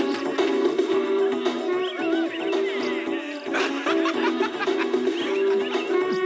ワハハハハ。